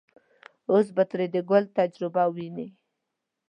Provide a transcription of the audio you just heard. اوس به ترې د ګل تجربه وويني.